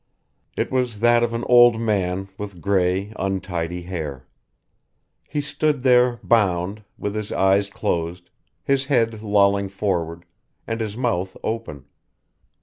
It was that of an old man with grey untidy hair. He stood there bound, with his eyes closed, his head lolling forward, and his mouth open.